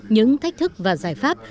những thách thức và giải pháp